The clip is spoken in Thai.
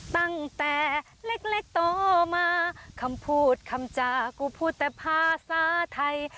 ตั้งแต่เล็กโตมาคำพูดคำจากูพูดแต่ภาษาไทย